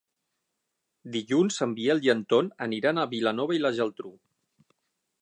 Dilluns en Biel i en Ton aniran a Vilanova i la Geltrú.